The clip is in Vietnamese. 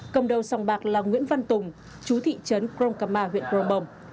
cầm đầu sông bạc là nguyễn văn tùng trú thị trấn grongkama huyện grongbong